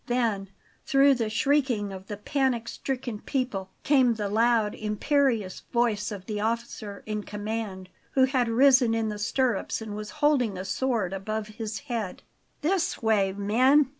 Then, through the shrieking of the panic stricken people, came the loud, imperious voice of the officer in command, who had risen in the stirrups and was holding a sword above his head. "This way, men!"